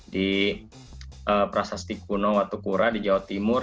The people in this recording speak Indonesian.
di prasasti kuno watukura di jawa timur